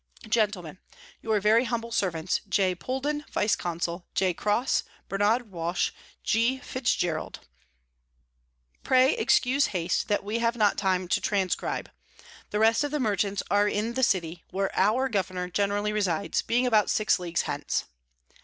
Gentlemen, Your very humble Servants, J. Pouldon, Vice Consul, J. Crosse, Bernard Walsh, G. Fitz Gerald. 'Pray excuse Haste, that we have not time to transcribe. 'The rest of the Merchants are in the City where our Governor generally resides, being about six Leagues hence.